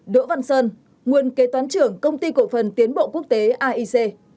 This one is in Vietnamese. bốn đỗ văn sơn nguyên kế toán trưởng công ty cổ phần tiến bộ quốc tế aic